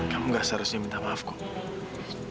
kamu gak seharusnya minta maaf kok